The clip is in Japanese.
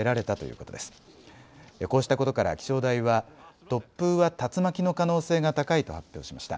こうしたことから気象台は突風は竜巻の可能性が高いと発表しました。